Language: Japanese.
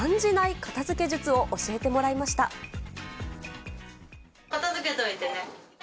片づけといてね。